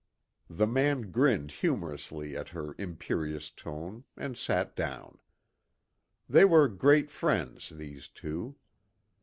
The man grinned humorously at her imperious tone, and sat down. They were great friends, these two.